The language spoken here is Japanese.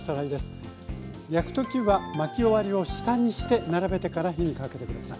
焼く時は巻き終わりを下にして並べてから火にかけて下さい。